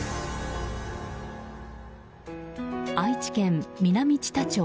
愛知県南知多町。